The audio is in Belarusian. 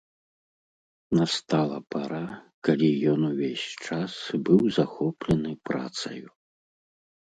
Настала пара, калі ён увесь час быў захоплены працаю.